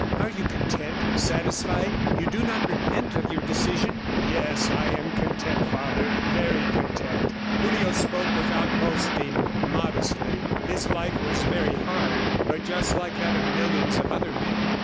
"Are you content, satisfied? ... You do not repent of your decision?" "Yes, I am content, father ... very content." Julio spoke without boasting, modestly. His life was very hard, but just like that of millions of other men.